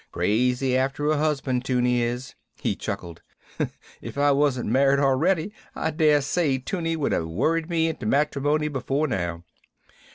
Crazy after a husband, 'Tunie is." He chuckled. "If I wasn't married already I dare say 'Tunie would have worried me into matrimony before now.